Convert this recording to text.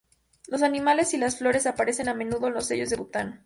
Los animales y las flores aparecen a menudo en los sellos de Bután.